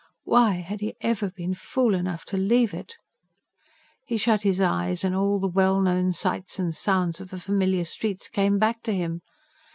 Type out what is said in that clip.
Why had he ever been fool enough to leave it? He shut his eyes, and all the well known sights and sounds of the familiar streets came back to him.